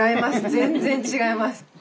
全然違います。